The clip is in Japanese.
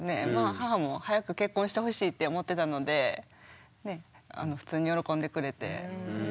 母も早く結婚してほしいって思ってたので普通に喜んでくれて。